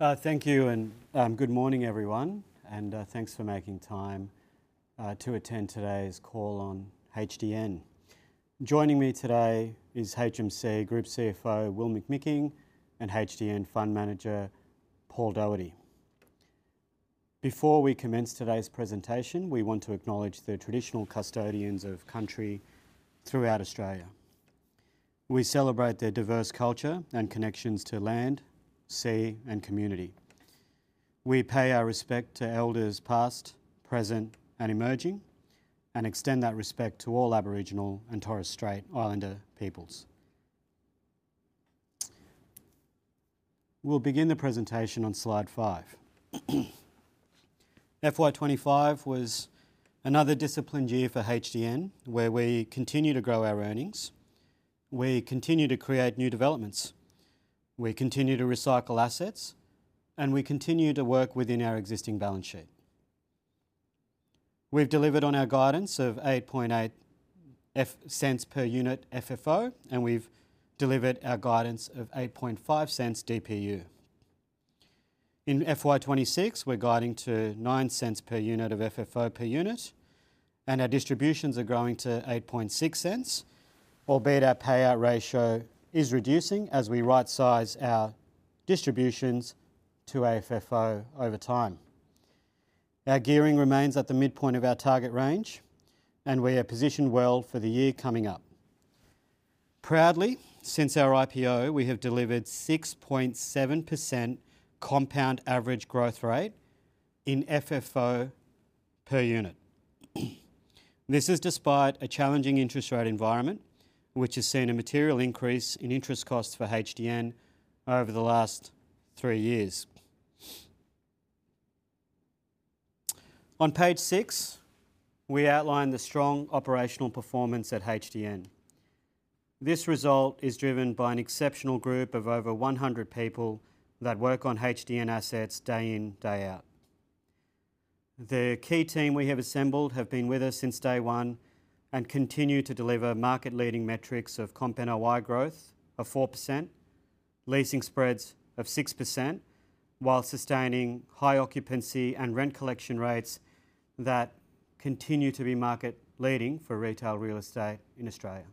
Thank you, and good morning, everyone, and thanks for making time to attend today's call on HDN. Joining me today is HMC Capital CFO, William McMicking, and HDN Fund Manager, Paul Doherty. Before we commence today's presentation, we want to acknowledge the traditional custodians of Country throughout Australia. We celebrate their diverse culture and connections to land, sea, and community. We pay our respect to elders past, present, and emerging, and extend that respect to all Aboriginal and Torres Strait Islander peoples. We'll begin the presentation on slide five. FY 2025 was another disciplined year for HDN, where we continue to grow our earnings, we continue to create new developments, we continue to recycle assets, and we continue to work within our existing balance sheet. We've delivered on our guidance of $0.088 per unit FFO, and we've delivered our guidance of $0.085 DPU. In FY 2026, we're guiding to $0.09 per unit of FFO per unit, and our distributions are growing to $0.086, albeit our payout ratio is reducing as we right-size our distributions to FFO over time. Our gearing remains at the midpoint of our target range, and we are positioned well for the year coming up. Proudly, since our IPO, we have delivered 6.7% compound annual growth rate in FFO per unit. This is despite a challenging interest rate environment, which has seen a material increase in interest costs for HDN over the last three years. On page six, we outline the strong operational performance at HDN. This result is driven by an exceptional group of over 100 people that work on HDN assets day in, day out. The key team we have assembled has been with us since day one and continues to deliver market-leading metrics of comp NOI growth of 4%, leasing spreads of 6%, while sustaining high occupancy and rent collection rates that continue to be market-leading for retail real estate in Australia.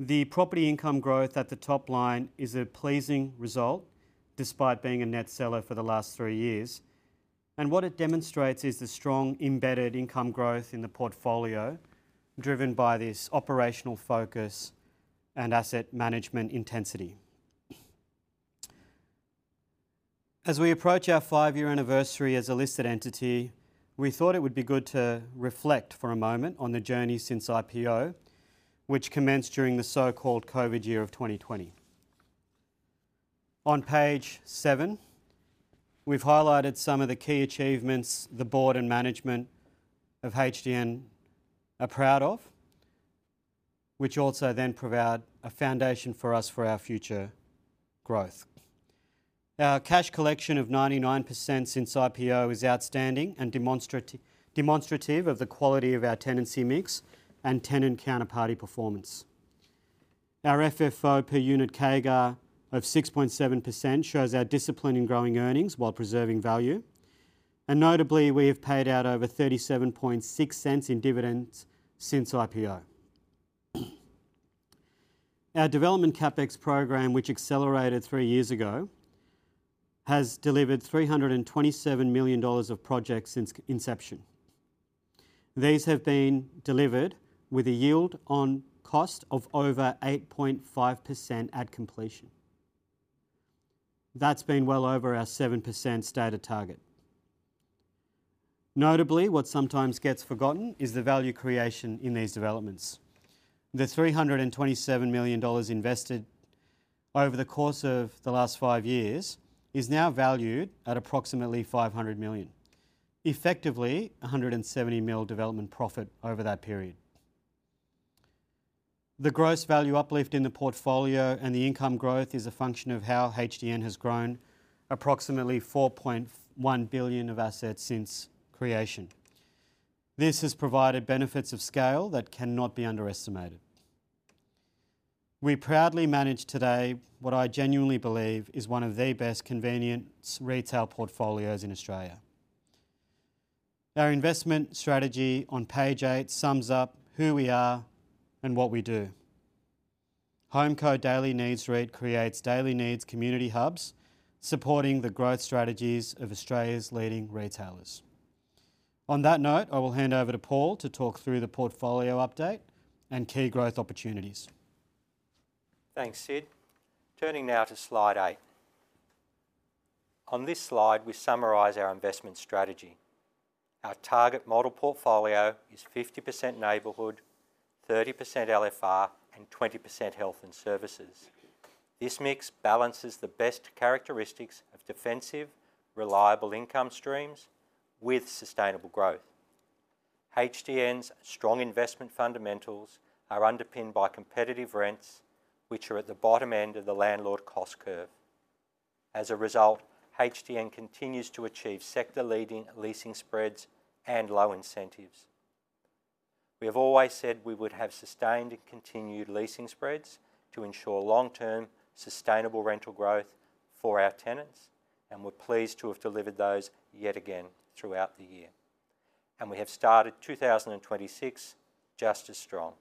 The property income growth at the top line is a pleasing result, despite being a net seller for the last three years, and what it demonstrates is the strong embedded income growth in the portfolio, driven by this operational focus and asset management intensity. As we approach our five-year anniversary as a listed entity, we thought it would be good to reflect for a moment on the journey since IPO, which commenced during the so-called COVID year of 2020. On page seven, we've highlighted some of the key achievements the Board and management of HDN are proud of, which also then provide a foundation for us for our future growth. Our cash collection of 99% since IPO is outstanding and demonstrative of the quality of our tenancy mix and tenant counterparty performance. Our FFO per unit CAGR of 6.7% shows our discipline in growing earnings while preserving value, and notably, we have paid out over $0.376 in dividends since IPO. Our development CapEx program, which accelerated three years ago, has delivered $327 million of projects since inception. These have been delivered with a yield on cost of over 8.5% at completion. That's been well over our 7% stated target. Notably, what sometimes gets forgotten is the value creation in these developments. The $327 million invested over the course of the last five years is now valued at approximately $500 million, effectively $170 million development profit over that period. The gross value uplift in the portfolio and the income growth is a function of how HDN has grown approximately $4.1 billion of assets since creation. This has provided benefits of scale that cannot be underestimated. We proudly manage today what I genuinely believe is one of the best convenience retail portfolios in Australia. Our investment strategy on page eight sums up who we are and what we do. HomeCo Daily Needs REIT creates daily needs community hubs, supporting the growth strategies of Australia's leading retailers. On that note, I will hand over to Paul to talk through the portfolio update and key growth opportunities. Thanks, Sid. Turning now to slide eight. On this slide, we summarize our investment strategy. Our target model portfolio is 50% neighbourhood, 30% LFR, and 20% health and services. This mix balances the best characteristics of defensive, reliable income streams with sustainable growth. HDN's strong investment fundamentals are underpinned by competitive rents, which are at the bottom end of the landlord cost curve. As a result, HDN continues to achieve sector-leading leasing spreads and low incentives. We have always said we would have sustained and continued leasing spreads to ensure long-term sustainable rental growth for our tenants, and we're pleased to have delivered those yet again throughout the year. We have started 2026 just as strong.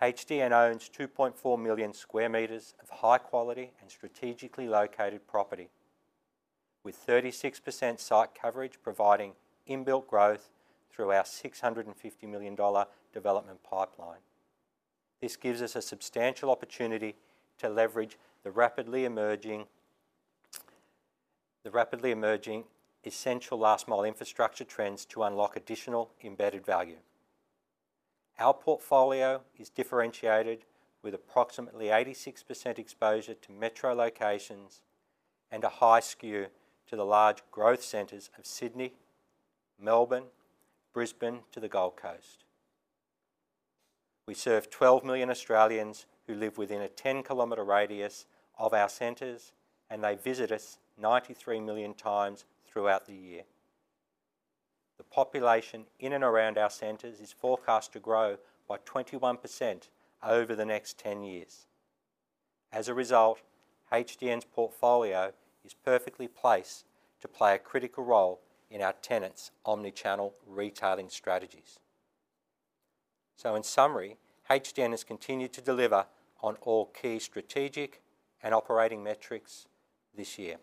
HDN owns 2.4 million sq m of high-quality and strategically located property, with 36% site coverage providing inbuilt growth through our $650 million development pipeline. This gives us a substantial opportunity to leverage the rapidly emerging essential last-mile infrastructure trends to unlock additional embedded value. Our portfolio is differentiated with approximately 86% exposure to metro locations and a high skew to the large growth centers of Sydney, Melbourne, Brisbane, to the Gold Coast. We serve 12 million Australians who live within a 10-km radius of our centers, and they visit us 93 million times throughout the year. The population in and around our centers is forecast to grow by 21% over the next 10 years. As a result, HDN's portfolio is perfectly placed to play a critical role in our tenants' omnichannel retailing strategies. In summary, HDN has continued to deliver on all key strategic and operating metrics this year.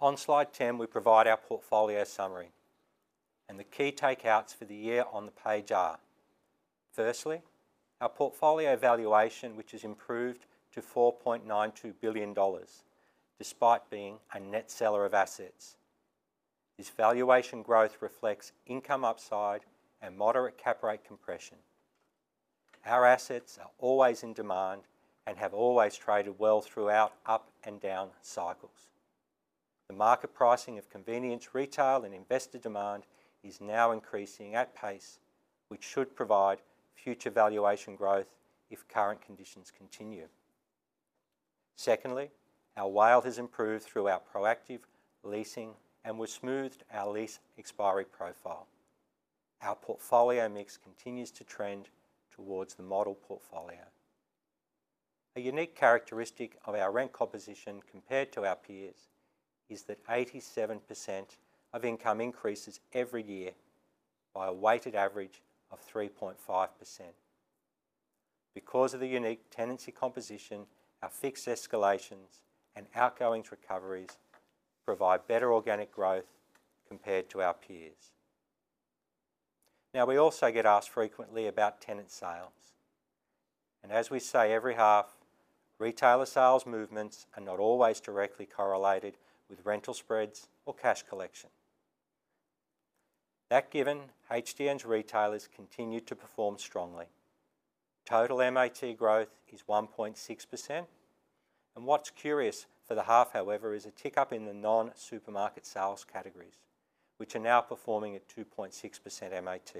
On slide 10, we provide our portfolio summary, and the key takeouts for the year on the page are, firstly, our portfolio valuation, which has improved to $4.92 billion, despite being a net seller of assets. This valuation growth reflects income upside and moderate cap rate compression. Our assets are always in demand and have always traded well throughout up and down cycles. The market pricing of convenience retail and investor demand is now increasing at pace, which should provide future valuation growth if current conditions continue. Secondly, our wealth has improved through our proactive leasing, and we've smoothed our lease expiry profile. Our portfolio mix continues to trend towards the model portfolio. A unique characteristic of our rent composition compared to our peers is that 87% of income increases every year by a weighted average of 3.5%. Because of the unique tenancy composition, our fixed escalations and outgoing recoveries provide better organic growth compared to our peers. Now, we also get asked frequently about tenant sales, and as we say every half, retailer sales movements are not always directly correlated with rental spreads or cash collection. That given, HDN's retailers continue to perform strongly. Total MAT growth is 1.6%, and what's curious for the half, however, is a tick up in the non-supermarket sales categories, which are now performing at 2.6% MAT.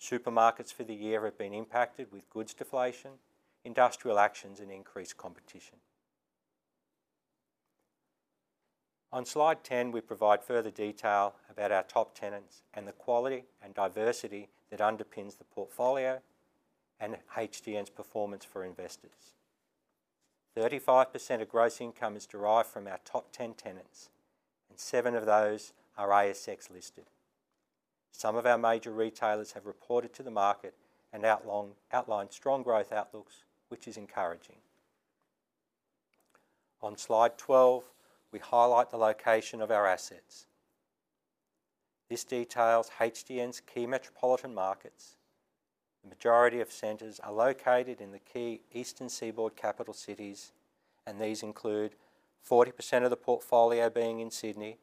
Supermarkets for the year have been impacted with goods deflation, industrial actions, and increased competition. On slide 10, we provide further detail about our top tenants and the quality and diversity that underpins the portfolio and HDN's performance for investors. 35% of gross income is derived from our top 10 tenants, and seven of those are ASX listed. Some of our major retailers have reported to the market and outlined strong growth outlooks, which is encouraging. On slide 12, we highlight the location of our assets. This details HDN's key metropolitan markets. The majority of centers are located in the key Eastern Seaboard capital cities, and these include 40% of the portfolio being in Sydney,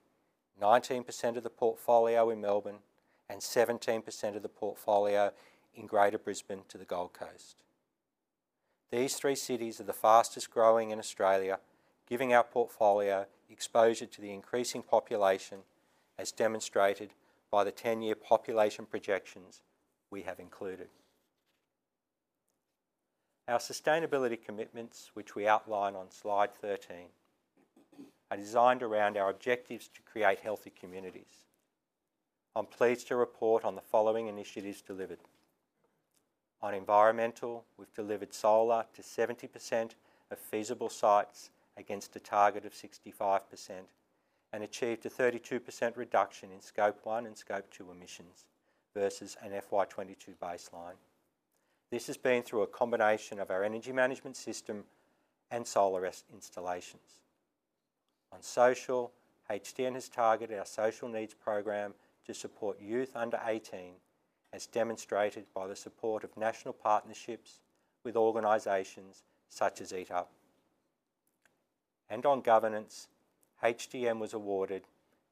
19% of the portfolio in Melbourne, and 17% of the portfolio in Greater Brisbane to the Gold Coast. These three cities are the fastest growing in Australia, giving our portfolio exposure to the increasing population, as demonstrated by the 10-year population projections we have included. Our sustainability commitments, which we outline on slide 13, are designed around our objectives to create healthy communities. I'm pleased to report on the following initiatives delivered. On environmental, we've delivered solar to 70% of feasible sites against a target of 65% and achieved a 32% reduction in Scope 1 and Scope 2 emissions versus an FY 2022 baseline. This has been through a combination of our energy management system and Solarest installations. On social, HDN has targeted our social needs program to support youth under 18, as demonstrated by the support of national partnerships with organizations such as Eat Up. On governance, HDN was awarded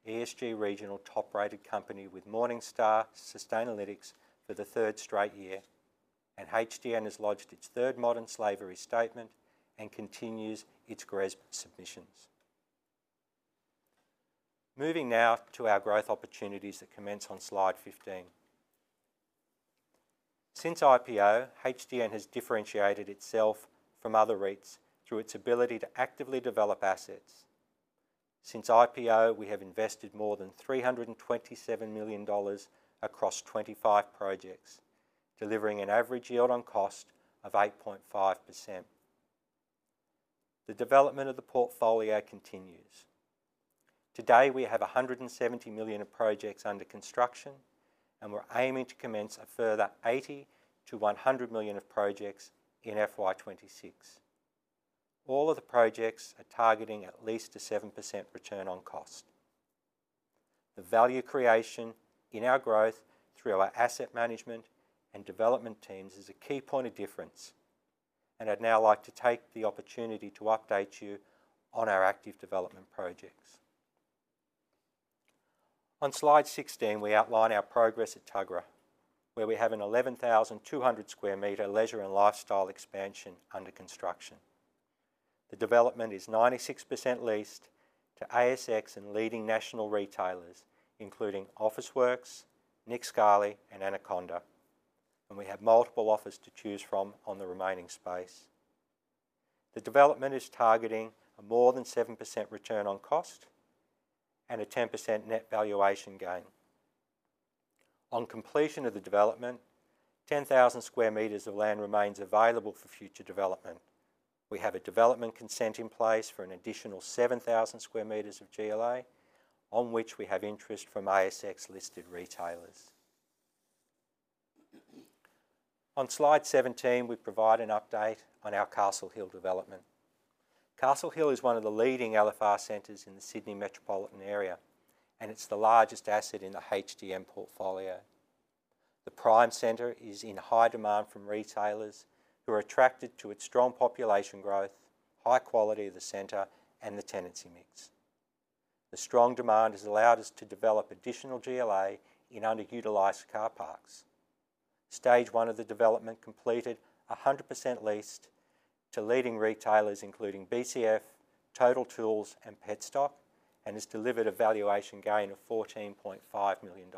ESG Regional Top Rated Company with Morningstar Sustainalytics for the third straight year, and HDN has lodged its third Modern Slavery Statement and continues its GRESB submissions. Moving now to our growth opportunities that commence on slide 15. Since IPO, HDN has differentiated itself from other REITs through its ability to actively develop assets. Since IPO, we have invested more than $327 million across 25 projects, delivering an average yield on cost of 8.5%. The development of the portfolio continues. Today, we have $170 million projects under construction, and we're aiming to commence a further $ 80 million-$ 100 million projects in FY 2026. All of the projects are targeting at least a 7% return on cost. The value creation in our growth through our asset management and development teams is a key point of difference, and I'd now like to take the opportunity to update you on our active development projects. On slide 16, we outline our progress at Tuggerah, where we have an 11,200 sq m leisure and lifestyle expansion under construction. The development is 96% leased to ASX and leading national retailers, including Officeworks, Nick Scali, and Anaconda, and we have multiple offers to choose from on the remaining space. The development is targeting a more than 7% return on cost and a 10% net valuation gain. On completion of the development, 10,000 sq m of land remains available for future development. We have a development consent in place for an additional 7,000 sq m of GLA, on which we have interest from ASX listed retailers. On slide 17, we provide an update on our Castle Hill development. Castle Hill is one of the leading Large Format Retail centers in the Sydney metropolitan area, and it's the largest asset in the HDN portfolio. The prime center is in high demand from retailers who are attracted to its strong population growth, high quality of the center, and the tenancy mix. The strong demand has allowed us to develop additional GLA in underutilized car parks. Stage one of the development completed, 100% leased to leading retailers, including BCF, Total Tools, and Petstock, and has delivered a valuation gain of $14.5 million.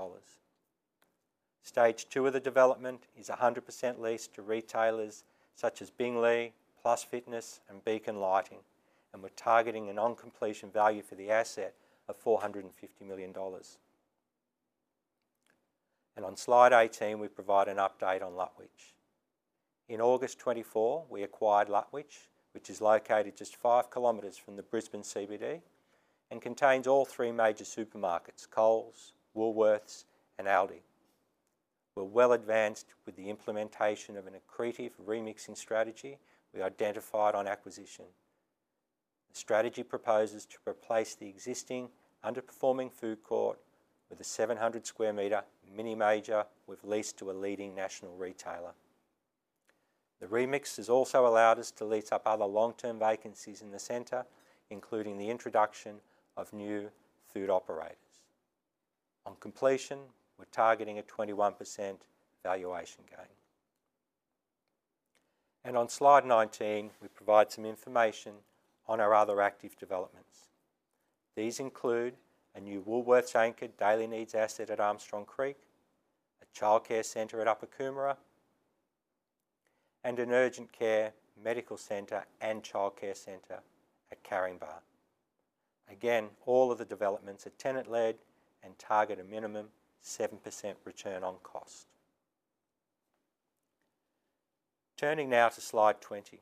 Stage two of the development is 100% leased to retailers such as Bing Lee, Plus Fitness, and Beacon Lighting, and we're targeting an on-completion value for the asset of $450 million. On slide 18, we provide an update on Lutwyche. In August 2024, we acquired Lutwyche, which is located just five kilometers from the Brisbane CBD and contains all three major supermarkets: Coles, Woolworths, and Aldi. We're well advanced with the implementation of an accretive remixing strategy we identified on acquisition. The strategy proposes to replace the existing underperforming food court with a 700 sq meter mini-major we've leased to a leading national retailer. The remix has also allowed us to lease up other long-term vacancies in the center, including the introduction of new food operators. On completion, we're targeting a 21% valuation gain. On slide 19, we provide some information on our other active developments. These include a new Woolworths anchor daily needs asset at Armstrong Creek, a childcare center at Upper Coomera, and an urgent care medical center and childcare center at Caringbah. All of the developments are tenant-led and target a minimum 7% return on cost. Turning now to slide 20,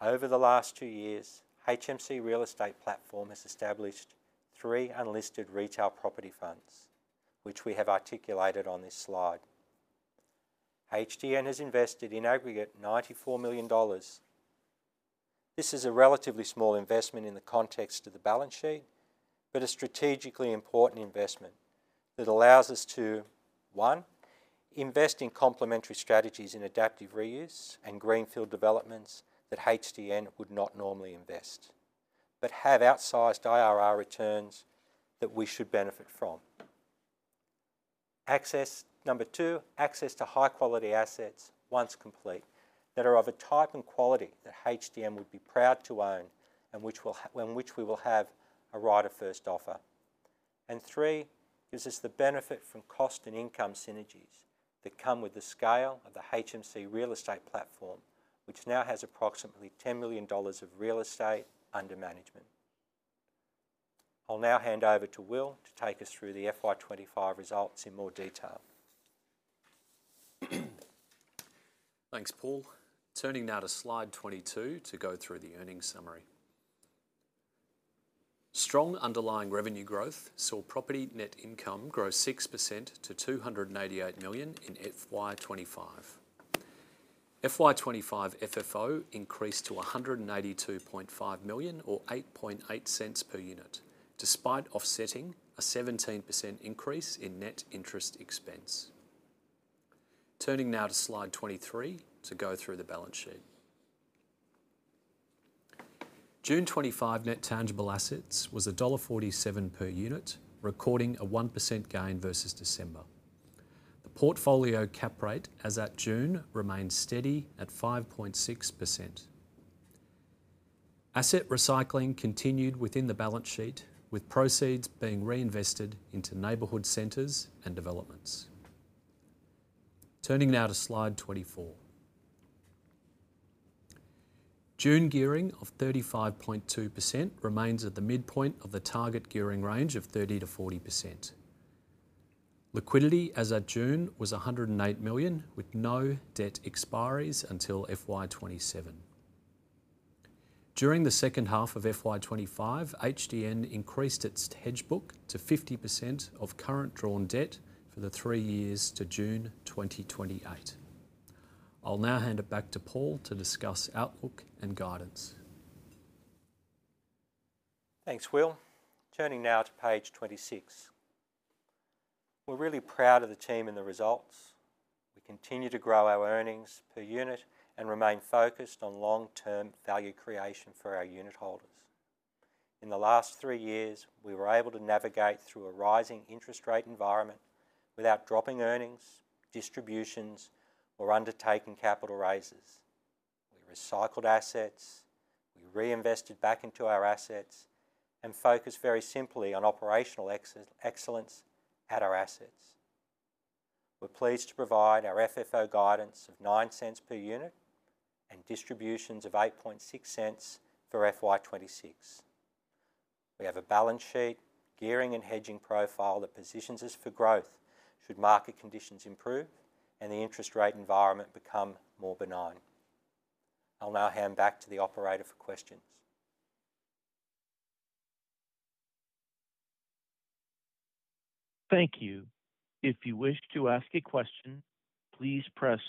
over the last two years, HMC Real Estate Platform has established three unlisted retail property funds, which we have articulated on this slide. HDN has invested in aggregate $94 million. This is a relatively small investment in the context of the balance sheet, but a strategically important investment that allows us to, one, invest in complementary strategies in adaptive reuse and greenfield developments that HDN would not normally invest, but have outsized IRR returns that we should benefit from. Number two, access to high-quality assets once complete that are of a type and quality that HDN would be proud to own and which we will have a right of first offer. Three, this is the benefit from cost and income synergies that come with the scale of the HMC Real Estate Platform, which now has approximately $10 billion of real estate under management. I'll now hand over to Will to take us through the FY 2025 results in more detail. Thanks, Paul. Turning now to slide 22 to go through the earnings summary. Strong underlying revenue growth saw property net income grow 6% to $288 million in FY 2025. FY 2025 FFO increased to $182.5 million or $0.088 per unit, despite offsetting a 17% increase in net interest expense. Turning now to slide 23 to go through the balance sheet. June 2025 net tangible assets was $1.47 per unit, recording a 1% gain versus December. The portfolio cap rate as at June remains steady at 5.6%. Asset recycling continued within the balance sheet, with proceeds being reinvested into neighbourhood centres and developments. Turning now to slide 24. June gearing of 35.2% remains at the midpoint of the target gearing range of 30%-40%. Liquidity as at June was $108 million, with no debt expiry until FY 2027. During the second half of FY 2025, HDN increased its hedge book to 50% of current drawn debt for the three years to June 2028. I'll now hand it back to Paul to discuss outlook and guidance. Thanks, Will. Turning now to page 26. We're really proud of the team and the results. We continue to grow our earnings per unit and remain focused on long-term value creation for our unit holders. In the last three years, we were able to navigate through a rising interest rate environment without dropping earnings, distributions, or undertaking capital raises. We recycled assets, we reinvested back into our assets, and focused very simply on operational excellence at our assets. We're pleased to provide our FFO guidance of $0.09 per unit and distributions of $0.086 for FY 2026. We have a balance sheet, gearing, and hedging profile that positions us for growth should market conditions improve and the interest rate environment become more benign. I'll now hand back to the operator for questions. Thank you. If you wish to ask a question, please press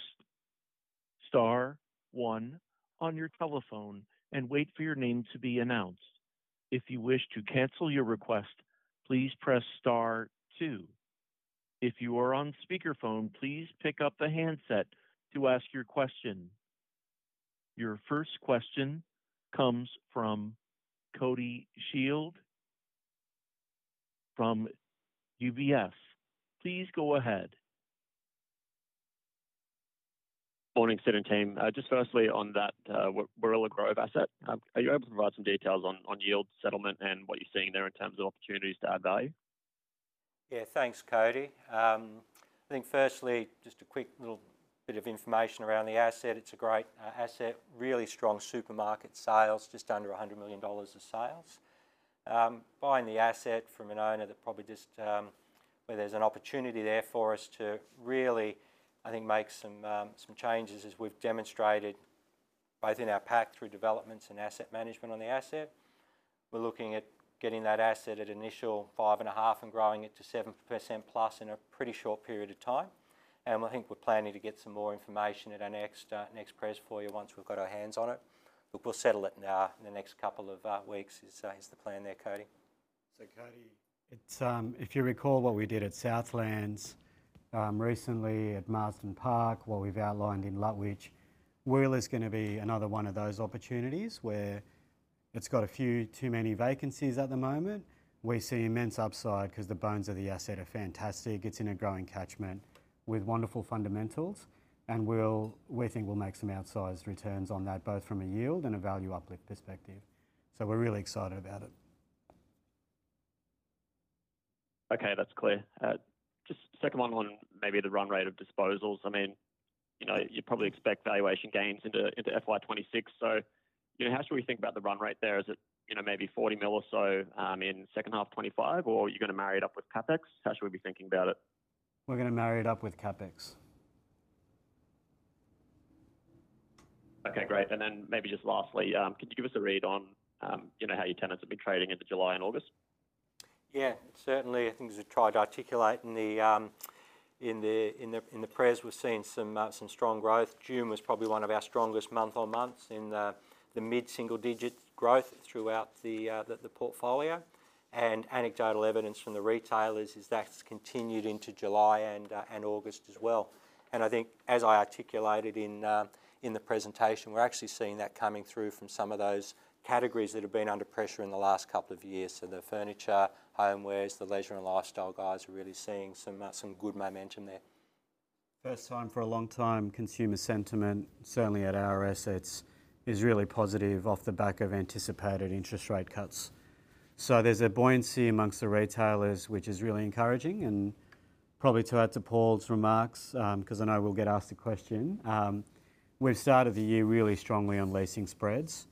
star one on your telephone and wait for your name to be announced. If you wish to cancel your request, please press star two. If you are on speakerphone, please pick up the handset to ask your question. Your first question comes from Cody Shield from UBS. Please go ahead. Morning, Senator Team. Just firstly, on that Whirl of Grove asset, are you able to provide some details on yield settlement and what you're seeing there in terms of opportunities to add value? Yeah, thanks, Cody. I think firstly, just a quick little bit of information around the asset. It's a great asset, really strong supermarket sales, just under $100 million of sales. Buying the asset from an owner that probably just, where there's an opportunity there for us to really, I think, make some changes, as we've demonstrated both in our pack through developments and asset management on the asset. We're looking at getting that asset at initial 5.5% and growing it to 7%+ in a pretty short period of time. I think we're planning to get some more information at our next press for you once we've got our hands on it. We'll settle it now in the next couple of weeks, is the plan there, Cody? Cody, if you recall what we did at Southlands, recently at Marsden Park, what we've outlined in Lutwich, Will is going to be another one of those opportunities where it's got a few too many vacancies at the moment. We see immense upside because the bones of the asset are fantastic. It's in a growing catchment with wonderful fundamentals, and we think we'll make some outsized returns on that, both from a yield and a value uplift perspective. We're really excited about it. Okay, that's clear. Just second one on maybe the run rate of disposals. I mean, you know, you probably expect valuation gains into FY 2026. So, you know, how should we think about the run rate there? Is it, you know, maybe $40 million or so in second half 2025, or are you going to marry it up with CapEx? How should we be thinking about it? We're going to marry it up with CapEx. Okay, great. Maybe just lastly, could you give us a read on how your tenants have been trading into July and August? Yeah, certainly. I think as we tried to articulate in the press, we've seen some strong growth. June was probably one of our strongest months on months in the mid-single-digit growth throughout the portfolio. Anecdotal evidence from the retailers is that's continued into July and August as well. I think, as I articulated in the presentation, we're actually seeing that coming through from some of those categories that have been under pressure in the last couple of years. The furniture, homewares, the leisure and lifestyle guys are really seeing some good momentum there. First time for a long time, consumer sentiment, certainly at our assets, is really positive off the back of anticipated interest rate cuts. There's a buoyancy amongst the retailers, which is really encouraging. Probably to add to Paul's remarks, because I know we'll get asked the question, we've started the year really strongly on leasing spreads.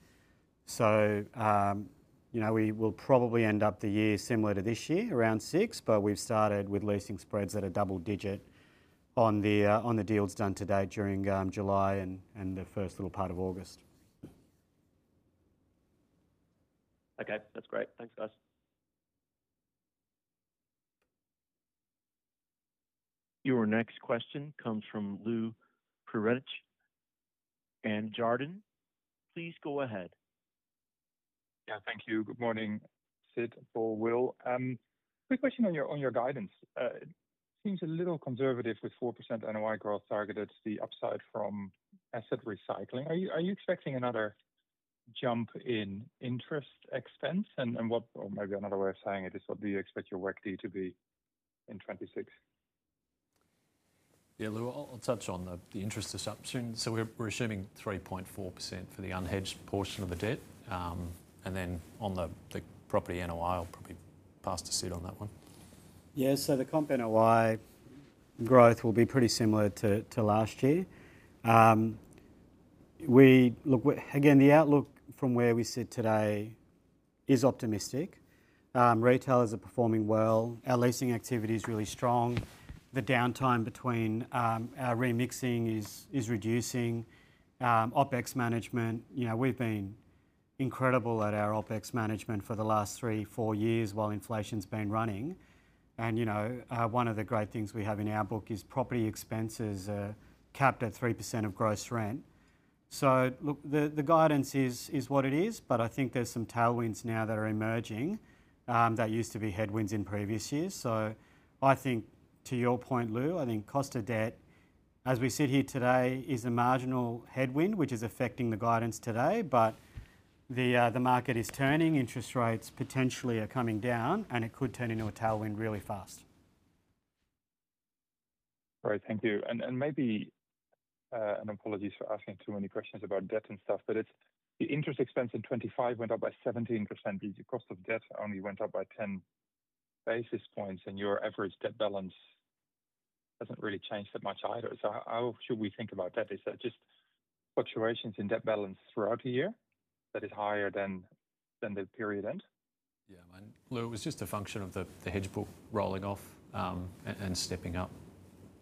We will probably end up the year similar to this year, around 6%, but we've started with leasing spreads at a double digit on the deals done today during July and the first little part of August. Okay, that's great. Thanks, guys. Your next question comes from Lou Pirenc at Jarden. Please go ahead. Yeah, thank you. Good morning, Sid, Paul, Will. Quick question on your guidance. It seems a little conservative with 4% NOI growth targeted to the upside from asset recycling. Are you expecting another jump in interest expense? Or maybe another way of saying it is, what do you expect your WECD to be in 2026? Yeah, Lou, I'll touch on the interest disruption. We're assuming 3.4% for the unhedged portion of the debt. On the property NOI, I'll probably pass to Sid on that one. Yeah, so the comp NOI growth will be pretty similar to last year. We look, again, the outlook from where we sit today is optimistic. Retailers are performing well. Our leasing activity is really strong. The downtime between our remixing is reducing. OpEx management, you know, we've been incredible at our OpEx management for the last three, four years while inflation's been running. You know, one of the great things we have in our book is property expenses are capped at 3% of gross rent. The guidance is what it is, but I think there's some tailwinds now that are emerging that used to be headwinds in previous years. To your point, Lou, I think cost of debt, as we sit here today, is a marginal headwind, which is affecting the guidance today. The market is turning, interest rates potentially are coming down, and it could turn into a tailwind really fast. All right, thank you. Maybe an apology for asking too many questions about debt and stuff, but the interest expense in 2025 went up by 17%. The cost of debt only went up by 10 basis points, and your average debt balance hasn't really changed that much either. How should we think about that? Is that just fluctuations in debt balance throughout the year that is higher than the period end? Yeah, Lou, it was just a function of the hedge book rolling off and stepping up.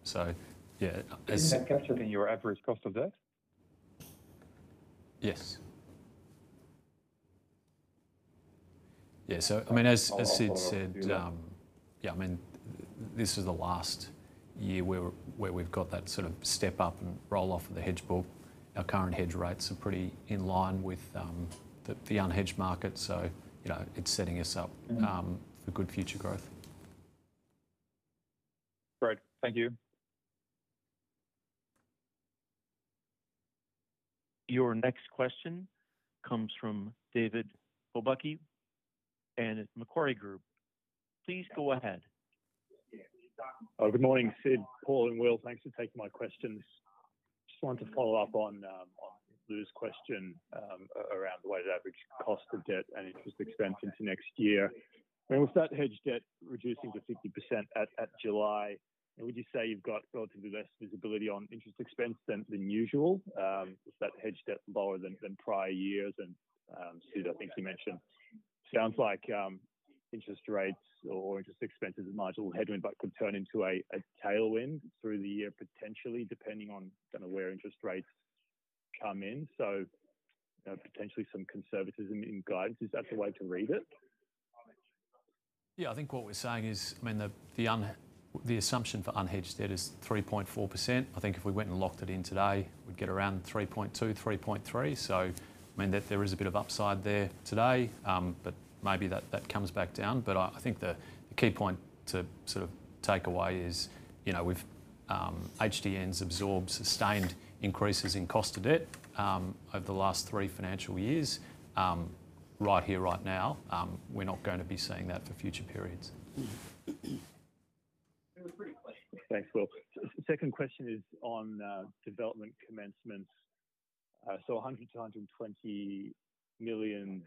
Is that captured in your average cost of debt? Yes, as Sid said, this is the last year where we've got that sort of step up and roll off of the hedge book. Our current hedge rates are pretty in line with the unhedged market, so it's setting us up for good future growth. Great, thank you. Your next question comes from David Pobucky at Macquarie Group. Please go ahead. Yeah, good morning, Sid, Paul, and Will, thanks for taking my questions. I just wanted to follow up on Lou's question around the weighted average cost of debt and interest expense into next year. With that hedge debt reducing to 50% at July, would you say you've got relatively less visibility on interest expense than usual? Is that hedge debt lower than prior years? Sid, I think you mentioned, it sounds like interest rates or interest expenses are a marginal headwind, but could turn into a tailwind through the year, potentially, depending on where interest rates come in. You know, potentially some conservatism in guidance. Is that the way to read it? Yeah, I think what we're saying is, I mean, the assumption for unhedged debt is 3.4%. I think if we went and locked it in today, we'd get around 3.2%, 3.3%. There is a bit of upside there today, but maybe that comes back down. I think the key point to sort of take away is, you know, HDN's absorbed sustained increases in cost of debt over the last three financial years. Right here, right now, we're not going to be seeing that for future periods. Thanks, Will. The second question is on development commencements. $100 million-$120 million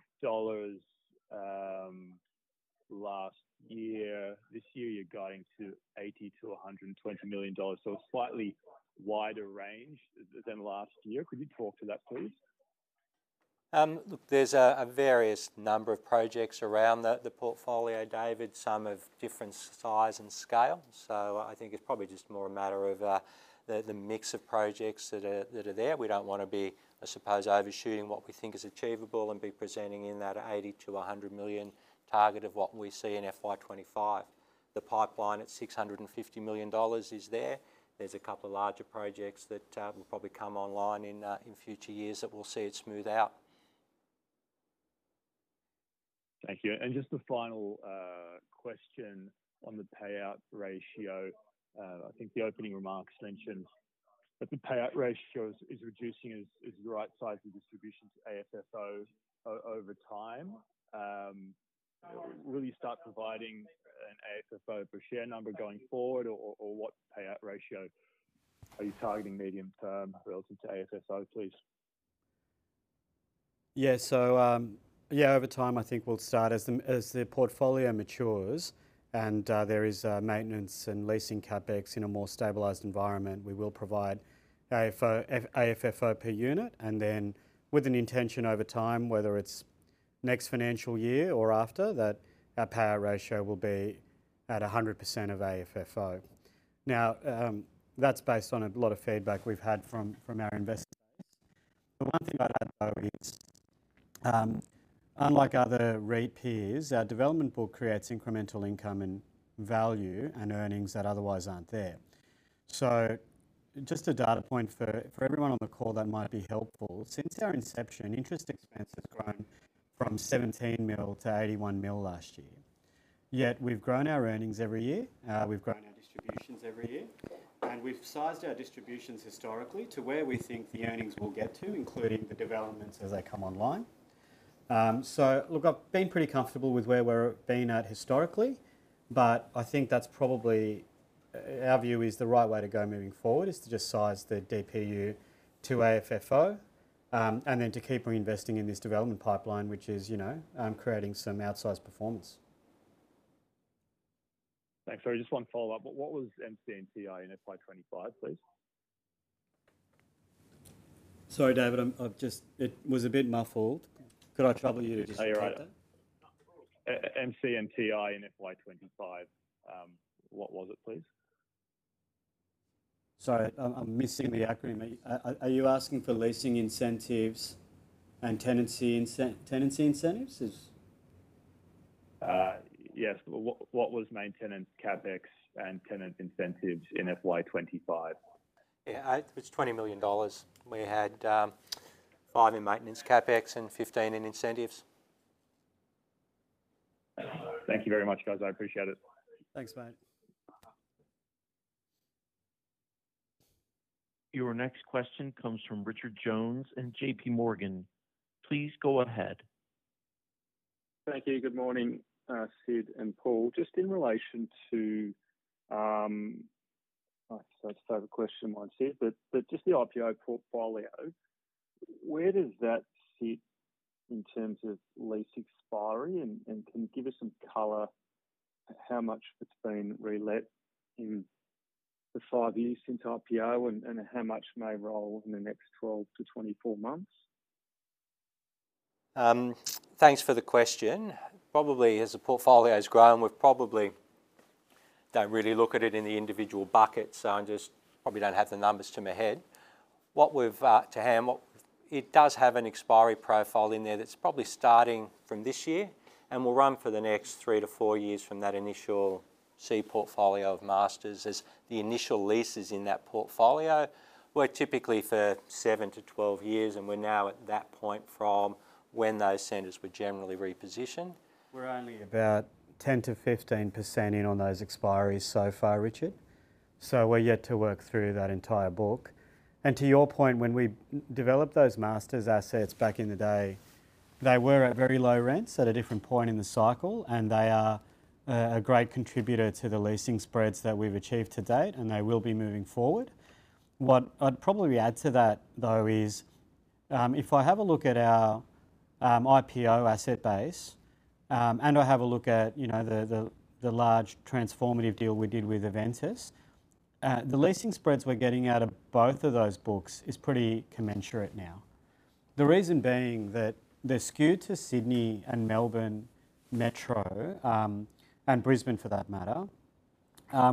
last year. This year, you're going to $80 million-$120 million, a slightly wider range than last year. Could you talk to that, please? Look, there's a various number of projects around the portfolio, David, some of different size and scale. I think it's probably just more a matter of the mix of projects that are there. We don't want to be, I suppose, overshooting what we think is achievable and be presenting in that $80 million-$100 million target of what we see in FY 2025. The pipeline at $650 million is there. There's a couple of larger projects that will probably come online in future years that we'll see it smooth out. Thank you. Just the final question on the payout ratio. I think the opening remarks mentioned that the payout ratio is reducing as you right-size the distribution to AFFO over time. Will you start providing an AFFO per share number going forward, or what payout ratio are you targeting medium-term relative to AFFO, please? Yeah, over time, I think we'll start as the portfolio matures and there is maintenance and leasing CapEx in a more stabilized environment. We will provide AFFO per unit, and then with an intention over time, whether it's next financial year or after, that our payout ratio will be at 100% of AFFO. Now, that's based on a lot of feedback we've had from our investors. The one thing I'd add, though, is unlike other REIT peers, our development book creates incremental income and value and earnings that otherwise aren't there. Just a data point for everyone on the call that might be helpful. Since our inception, interest expense has grown from $17 million to $81 million last year. Yet, we've grown our earnings every year. We've grown our distributions every year. We've sized our distributions historically to where we think the earnings will get to, including the developments as they come online. I've been pretty comfortable with where we've been at historically, but I think that's probably our view is the right way to go moving forward is to just size the DPU to AFFO and then to keep reinvesting in this development pipeline, which is creating some outsized performance. Thanks, sorry, just one follow-up. What was MC and TI in FY 2025, please? Sorry, David, it was a bit muffled. Could I trouble you to describe that? MC and TI in FY 2025, what was it, please? Sorry, I'm missing the acronym. Are you asking for leasing incentives and tenancy incentives? Yes, what was main tenant CapEx and tenant incentives in FY 2025? Yeah, it was $20 million. We had $5 million in maintenance CapEx and $15 million in incentives. Thank you very much, guys. I appreciate it. Thanks, mate. Your next question comes from Richard Jones at JP Morgan. Please go ahead. Thank you. Good morning, Sid and Paul. Just in relation to, I just have a question, Sid, but just the IPO portfolio, where does that sit in terms of lease expiry, and can you give us some color at how much it's been re-let in the five years since IPO and how much may roll in the next 12 to 24 months? Thanks for the question. Probably as the portfolio has grown, we probably don't really look at it in the individual buckets, so I just probably don't have the numbers to my head. What we have to hand, it does have an expiry profile in there that's probably starting from this year and will run for the next three to four years from that initial C portfolio of masters. The initial leases in that portfolio were typically for seven to twelve years, and we're now at that point from when those centers were generally repositioned. We're only about 10%-15% in on those expiry so far, Richard. We're yet to work through that entire book. To your point, when we developed those masters assets back in the day, they were at very low rents at a different point in the cycle, and they are a great contributor to the leasing spreads that we've achieved to date, and they will be moving forward. What I'd probably add to that, though, is if I have a look at our IPO asset base, and I have a look at, you know, the large transformative deal we did with Aventus, the leasing spreads we're getting out of both of those books are pretty commensurate now. The reason being that they're skewed to Sydney and Melbourne Metro, and Brisbane for that matter,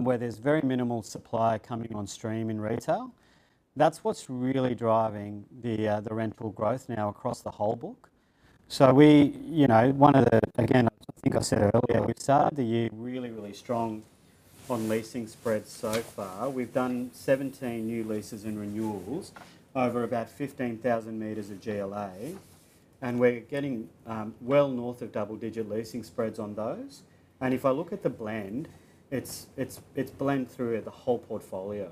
where there's very minimal supply coming on stream in retail. That's what's really driving the rental growth now across the whole book. One of the, again, I think I said earlier, we've started the year really, really strong on leasing spreads so far. We've done 17 new leases and renewals over about 15,000 m of GLA, and we're getting well north of double-digit leasing spreads on those. If I look at the blend, it's blend through at the whole portfolio.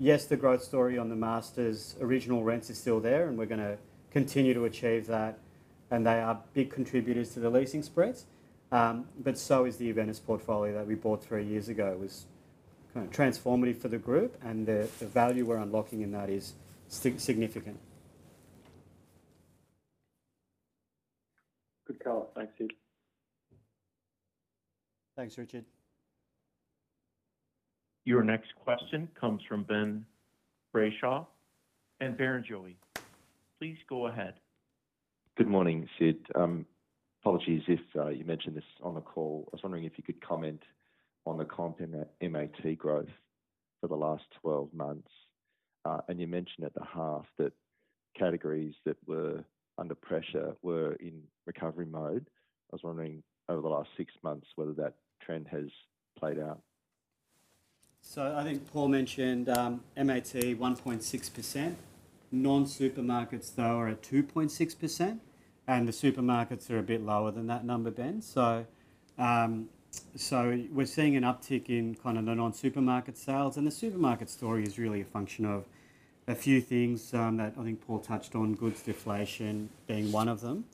Yes, the growth story on the masters' original rents is still there, and we're going to continue to achieve that, and they are big contributors to the leasing spreads, but so is the Aventus portfolio that we bought three years ago. It was kind of transformative for the group, and the value we're unlocking in that is significant. Good call. Thanks, Sid. Thanks, Richard. Your next question comes from Ben Brayshaw at Barrenjoey. Please go ahead. Good morning, Sid. Apologies if you mentioned this on the call. I was wondering if you could comment on the comp MAT growth for the last 12 months. You mentioned at the half that categories that were under pressure were in recovery mode. I was wondering over the last six months whether that trend has played out. I think Paul mentioned MAT 1.6%. Non-supermarkets, though, are at 2.6%, and the supermarkets are a bit lower than that number, Ben. We're seeing an uptick in kind of the non-supermarket sales, and the supermarket story is really a function of a few things that I think Paul touched on, goods deflation being one of them.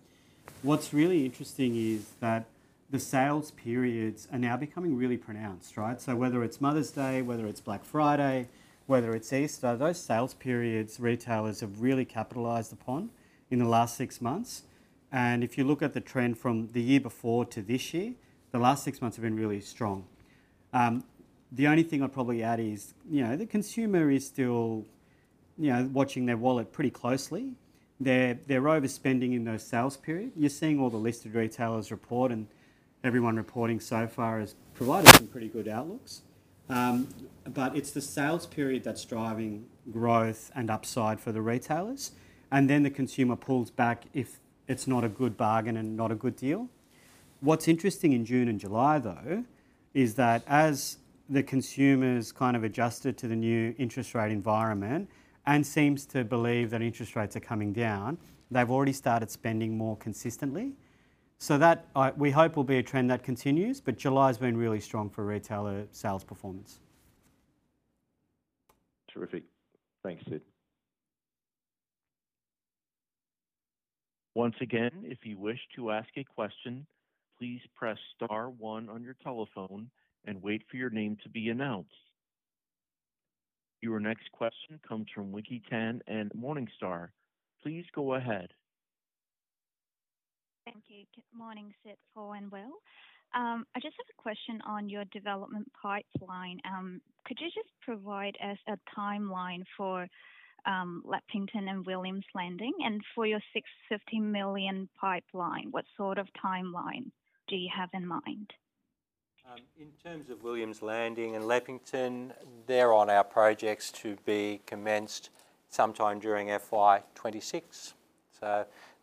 What's really interesting is that the sales periods are now becoming really pronounced, right? Whether it's Mother's Day, Black Friday, or Easter, those sales periods retailers have really capitalized upon in the last six months. If you look at the trend from the year before to this year, the last six months have been really strong. The only thing I'd probably add is, you know, the consumer is still, you know, watching their wallet pretty closely. They're overspending in those sales periods. You're seeing all the listed retailers report, and everyone reporting so far has provided some pretty good outlooks. It's the sales period that's driving growth and upside for the retailers. The consumer pulls back if it's not a good bargain and not a good deal. What's interesting in June and July, though, is that as the consumer's kind of adjusted to the new interest rate environment and seems to believe that interest rates are coming down, they've already started spending more consistently. We hope that will be a trend that continues, but July's been really strong for retailer sales performance. Terrific. Thanks, Sid. Once again, if you wish to ask a question, please press star one on your telephone and wait for your name to be announced. Your next question comes from Winky Tan at Morningstar. Please go ahead. Thank you. Good morning, Sid, Paul, and Will. I just have a question on your development pipeline. Could you just provide us a timeline for Leppington and Williams Landing? For your $650 million pipeline, what sort of timeline do you have in mind? In terms of Williams Landing and Leppington, they're on our projects to be commenced sometime during FY 2026.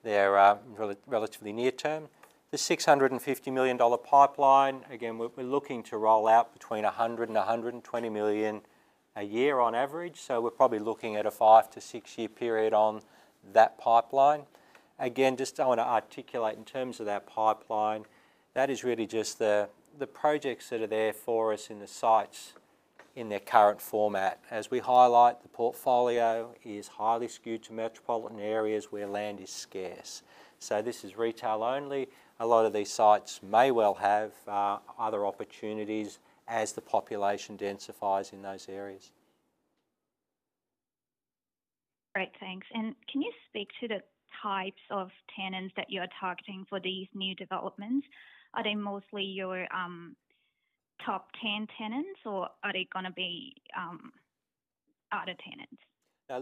They're relatively near term. The $650 million pipeline, again, we're looking to roll out between $100 million and $120 million a year on average. We're probably looking at a five to six-year period on that pipeline. I want to articulate in terms of that pipeline, that is really just the projects that are there for us in the sites in their current format. As we highlight, the portfolio is highly skewed to metropolitan areas where land is scarce. This is retail only. A lot of these sites may well have other opportunities as the population densifies in those areas. Great, thanks. Can you speak to the types of tenants that you're targeting for these new developments? Are they mostly your top 10 tenants, or are they going to be other tenants?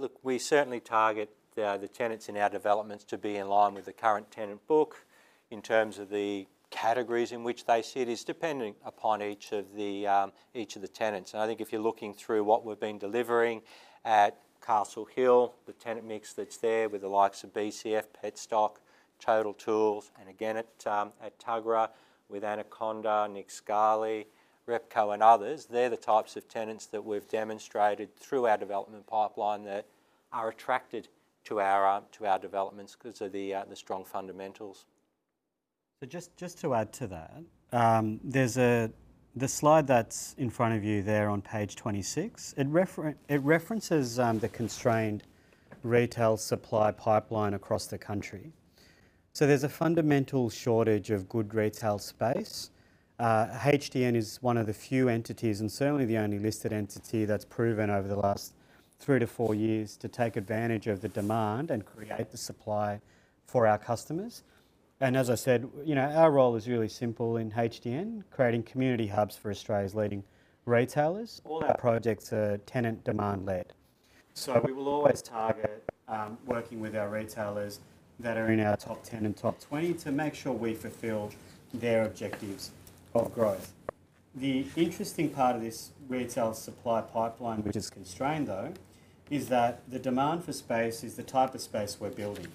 Look, we certainly target the tenants in our developments to be in line with the current tenant book. In terms of the categories in which they sit, it's dependent upon each of the tenants. I think if you're looking through what we've been delivering at Castle Hill, the tenant mix that's there with the likes of BCF, Petstock, Total Tools, and again at Tuggerah with Anaconda, Nick Scali, Repco, and others, they're the types of tenants that we've demonstrated through our development pipeline that are attracted to our developments because of the strong fundamentals. Just to add to that, there's a slide that's in front of you there on page 26. It references the constrained retail supply pipeline across the country. There's a fundamental shortage of good retail space. HDN is one of the few entities and certainly the only listed entity that's proven over the last three to four years to take advantage of the demand and create the supply for our customers. As I said, our role is really simple in HDN, creating community hubs for Australia's leading retailers. All our projects are tenant demand-led. We will always target working with our retailers that are in our top 10 and top 20 to make sure we fulfill their objectives of growth. The interesting part of this retail supply pipeline, which is constrained, is that the demand for space is the type of space we're building.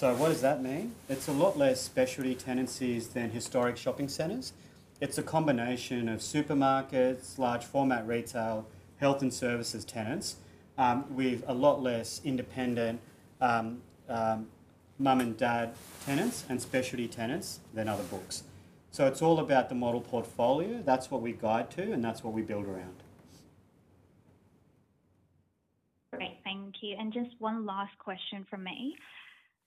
What does that mean? It's a lot less specialty tenancies than historic shopping centers. It's a combination of supermarkets, large format retail, health and services tenants with a lot less independent mum and dad tenants and specialty tenants than other books. It's all about the model portfolio. That's what we guide to, and that's what we build around. Great, thank you. Just one last question from me.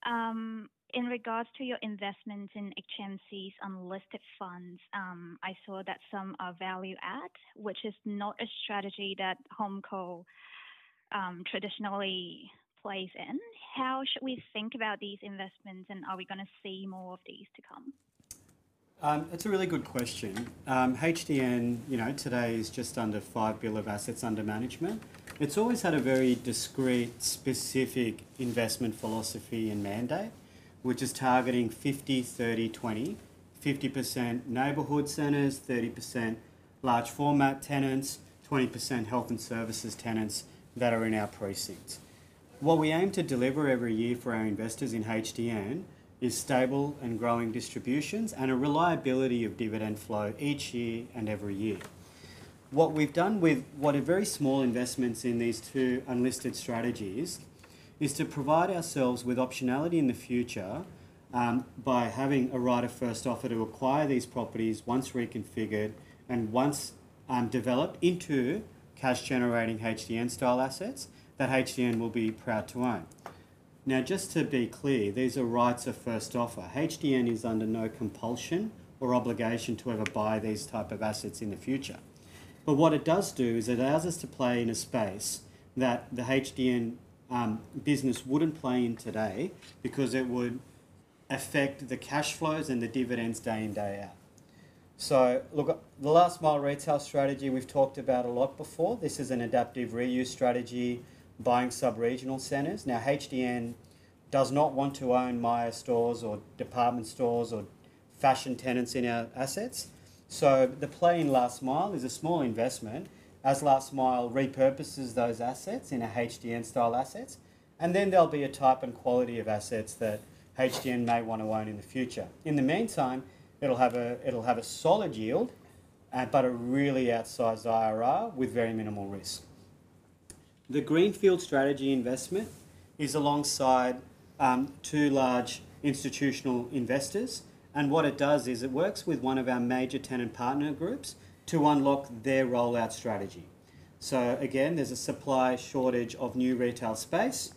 In regards to your investments in HMC’s unlisted funds, I saw that some are value-add, which is not a strategy that HomeCo traditionally plays in. How should we think about these investments, and are we going to see more of these to come? That's a really good question. HDN, you know, today is just under $5 billion of assets under management. It's always had a very discrete, specific investment philosophy and mandate, which is targeting 50%, 30%, 20%, 50% neighbourhood centres, 30% large format tenants, 20% health and services tenants that are in our precinct. What we aim to deliver every year for our investors in HDN is stable and growing distributions and a reliability of dividend flow each year and every year. What we've done with what are very small investments in these two unlisted strategies is to provide ourselves with optionality in the future by having a right of first offer to acquire these properties once reconfigured and once developed into cash-generating HDN-style assets that HDN will be proud to own. Now, just to be clear, these are rights of first offer. HDN is under no compulsion or obligation to ever buy these types of assets in the future. What it does do is it allows us to play in a space that the HDN business wouldn't play in today because it would affect the cash flows and the dividends day in, day out. The last mile retail strategy we've talked about a lot before, this is an adaptive reuse strategy, buying sub-regional centres. HDN does not want to own Myer stores or department stores or fashion tenants in our assets. The play in Last Mile is a small investment as Last Mile repurposes those assets into HDN-style assets. There will be a type and quality of assets that HDN may want to own in the future. In the meantime, it'll have a solid yield but a really outsized IRR with very minimal risk. The Greenfield Strategy investment is alongside two large institutional investors. What it does is it works with one of our major tenant partner groups to unlock their rollout strategy. There is a supply shortage of new retail space.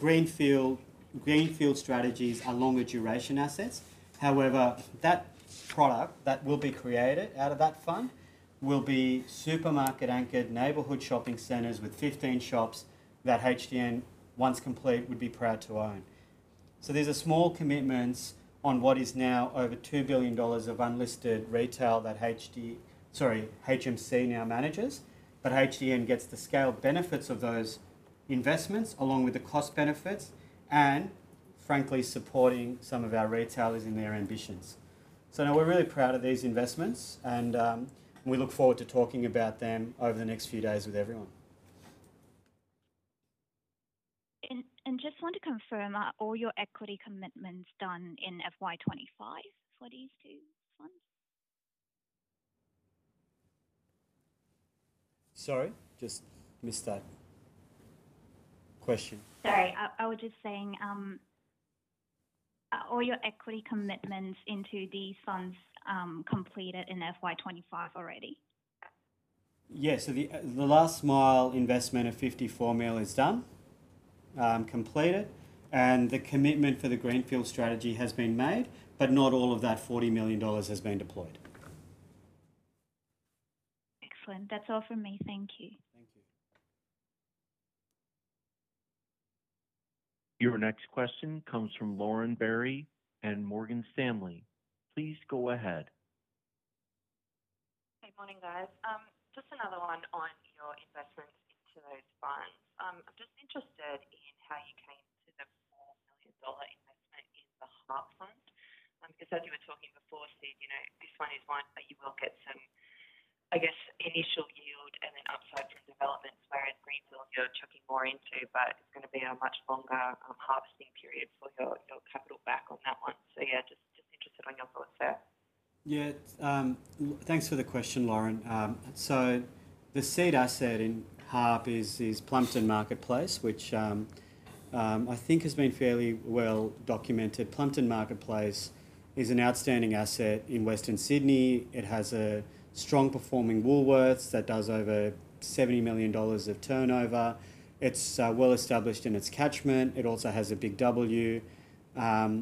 Greenfield strategies are longer duration assets. However, that product that will be created out of that fund will be supermarket-anchored neighbourhood shopping centres with 15 shops that HDN, once complete, would be proud to own. These are small commitments on what is now over $2 billion of unlisted retail that HMC now manages. HDN gets the scale benefits of those investments along with the cost benefits and, frankly, supporting some of our retailers in their ambitions. We're really proud of these investments, and we look forward to talking about them over the next few days with everyone. I just want to confirm, are all your equity commitments done in FY 2025 for these two funds? Sorry, just missed that question. Are all your equity commitments into these funds completed in FY 2025 already? Yeah, the last mile investment of $54 million is done, completed, and the commitment for the Greenfield Strategy has been made, but not all of that $40 million has been deployed. Excellent. That's all from me. Thank you. Thank you. Your next question comes from Lauren Berry at Morgan Stanley. Please go ahead. Good morning, guys. Just another one on your investments to those funds. I'm just interested in how you came to the $4 million investment in the HART fund. Because as you were talking before, Sid, you know, this one is one that you will get some, I guess, initial yield and then upside from developments whereas Greenfield you're putting more into, but it's going to be a much longer harvesting period for your capital back on that one. Just interested on your thoughts there. Yeah, thanks for the question, Lauren. The seed asset in HART is Plumpton Marketplace, which I think has been fairly well documented. Plumpton Marketplace is an outstanding asset in Western Sydney. It has a strong performing Woolworths that does over $70 million of turnover. It's well established in its catchment. It also has a Big W. That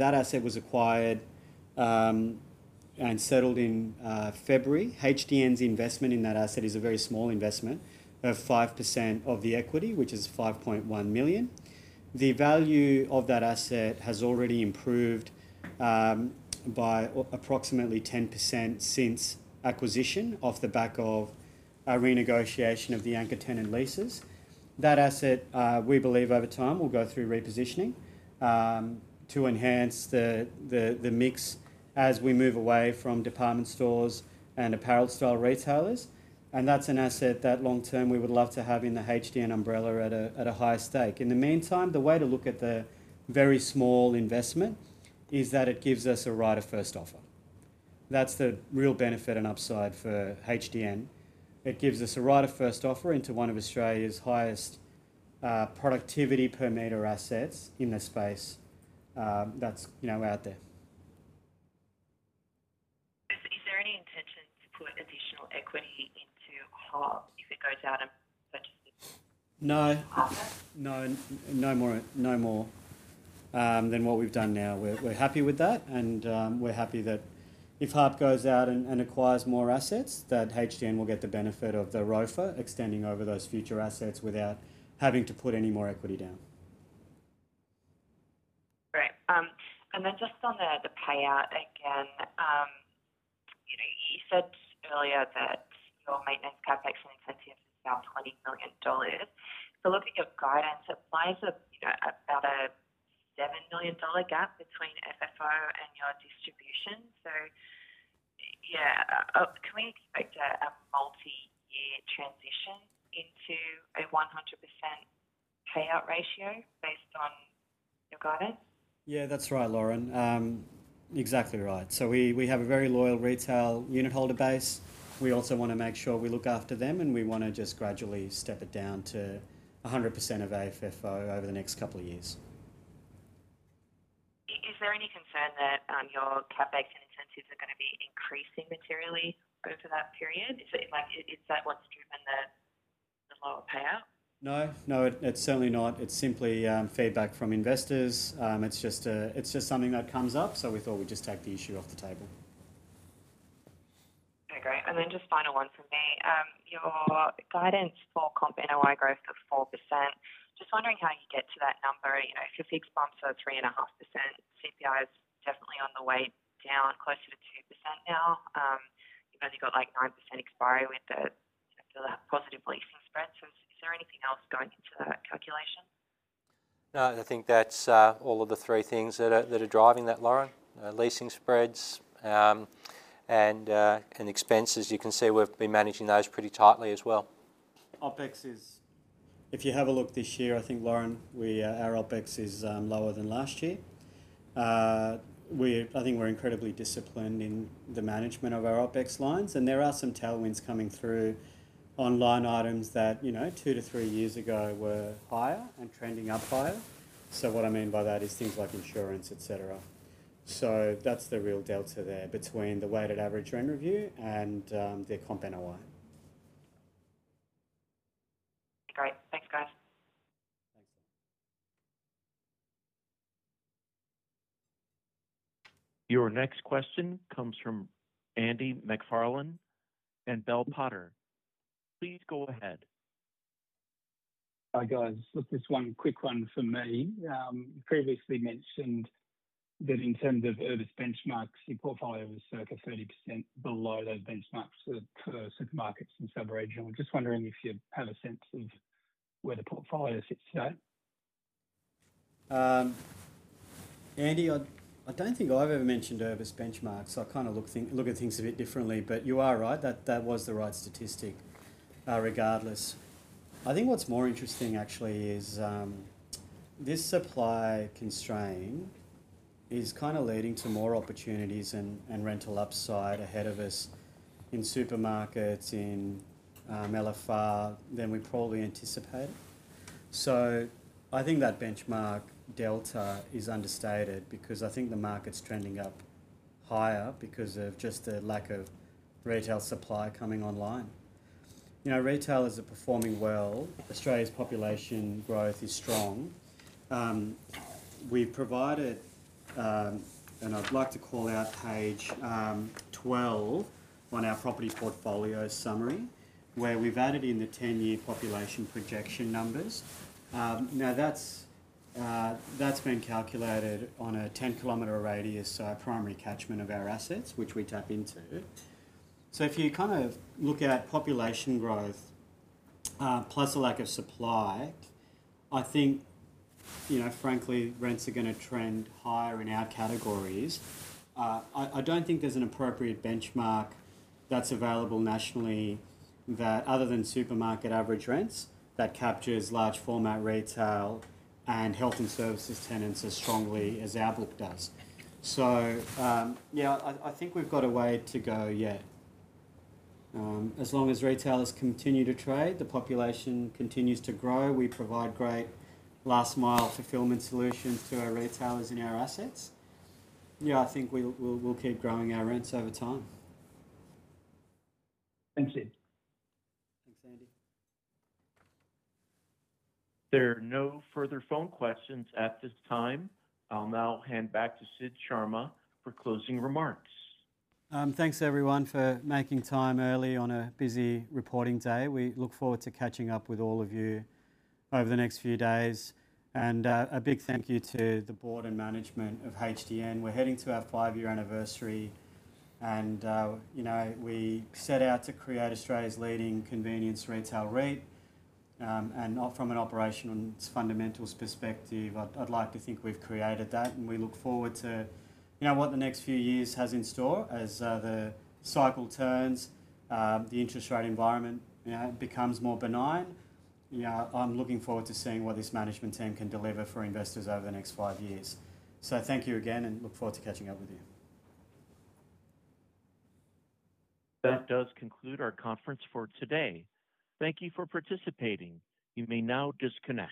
asset was acquired and settled in February. HDN's investment in that asset is a very small investment of 5% of the equity, which is $5.1 million. The value of that asset has already improved by approximately 10% since acquisition off the back of a renegotiation of the anchor tenant leases. That asset, we believe, over time will go through repositioning to enhance the mix as we move away from department stores and apparel style retailers. That's an asset that long term we would love to have in the HDN umbrella at a higher stake. In the meantime, the way to look at the very small investment is that it gives us a right of first offer. That's the real benefit and upside for HDN. It gives us a right of first offer into one of Australia's highest productivity per meter assets in the space that's out there. Is there any intention to put additional equity into HART’s unlisted funds if it goes out of purchasing? No, no more, no more than what we've done now. We're happy with that. We're happy that if HART goes out and acquires more assets, that HDN will get the benefit of the ROFA extending over those future assets without having to put any more equity down. Great. On the payout again, you said earlier that your maintenance CapEx and incentives are now $20 million. Looking at guidance, it implies about an $11 million gap between FFO and your distribution. Can we expect a multi-year transition into a 100% payout ratio based on your guidance? Yeah, that's right, Lauren. Exactly right. We have a very loyal retail unit holder base. We also want to make sure we look after them, and we want to just gradually step it down to 100% of AFFO over the next couple of years. Is there any concern that your CapEx and incentives are going to be increasing materially over that period? Is that what's driven the lower payout? No, it's certainly not. It's simply feedback from investors. It's just something that comes up. We thought we'd just take the issue off the table. Okay, great. Just final one from me. Your guidance for comp NOI growth of 4%. Just wondering how you get to that number. You know, if your fixed months are 3.5%, CPI is definitely on the way down closer to 2% now. You've only got like 9% expiry with the positive leasing spreads. Is there anything else going into that calculation? No, I think that's all of the three things that are driving that, Lauren. Leasing spreads and expenses, you can see we've been managing those pretty tightly as well. OpEx is, if you have a look this year, I think, Lauren, our OpEx is lower than last year. I think we're incredibly disciplined in the management of our OpEx lines. There are some tailwinds coming through on line items that, you know, two to three years ago were higher and trending up higher. What I mean by that is things like insurance, et cetera. That's the real delta there between the weighted average rent review and their comp NOI. Great, thanks guys. Your next question comes from Andy MacFarlane at Bell Potter. Please go ahead. Hi guys, just this one quick one for me. Previously mentioned that in terms of urban benchmarks, your portfolio was over 30% below those benchmarks for supermarkets and sub-regional. Just wondering if you have a sense of where the portfolio sits today. Andy, I don't think I've ever mentioned urban benchmarks. I kind of look at things a bit differently, but you are right. That was the right statistic regardless. I think what's more interesting actually is this supply constraint is kind of leading to more opportunities and rental upside ahead of us in supermarkets, in Large Format Retail than we probably anticipated. I think that benchmark delta is understated because I think the market's trending up higher because of just the lack of retail supply coming online. Retailers are performing well. Australia's population growth is strong. We've provided, and I'd like to call out page 12 on our property portfolio summary, where we've added in the 10-year population projection numbers. Now that's been calculated on a 10-kilometer radius to our primary catchment of our assets, which we tap into. If you kind of look at population growth plus a lack of supply, I think, frankly, rents are going to trend higher in our categories. I don't think there's an appropriate benchmark that's available nationally that, other than supermarket average rents, that captures Large Format Retail and Health & Services tenants as strongly as our book does. I think we've got a way to go yet. As long as retailers continue to trade, the population continues to grow, we provide great last-mile fulfillment solutions to our retailers in our assets. I think we'll keep growing our rents over time. Thanks, Sid. Thanks, Andy. There are no further phone questions at this time. I'll now hand back to Sid Sharma for closing remarks. Thanks everyone for making time early on a busy reporting day. We look forward to catching up with all of you over the next few days. A big thank you to the board and management of HomeCo Daily Needs REIT. We're heading to our five-year anniversary. We set out to create Australia's leading convenience retail REIT. From an operations fundamentals perspective, I'd like to think we've created that. We look forward to what the next few years have in store. As the cycle turns, the interest rate environment becomes more benign. I'm looking forward to seeing what this management team can deliver for investors over the next five years. Thank you again and look forward to catching up with you. That does conclude our conference for today. Thank you for participating. You may now disconnect.